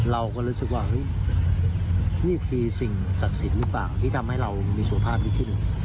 เราก็รู้สึกว่าเฮ้ยนี่คือสิ่งศักดิ์สิทธิ์หรือเปล่าที่ทำให้เรามีสุขภาพดีขึ้น